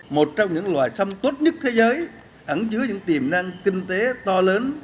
một trong những loài sâm tốt nhất thế giới ẵn dứa những tiềm năng kinh tế to lớn